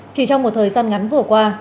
chỉ trong một thời gian ngắn vừa qua